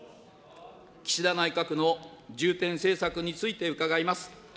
岸田内閣の重点政策について伺います。